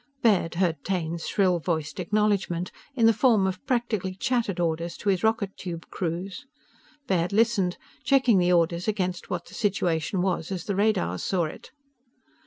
_" Baird heard Taine's shrill voiced acknowledgment in the form of practically chattered orders to his rocket tube crews. Baird listened, checking the orders against what the situation was as the radars saw it.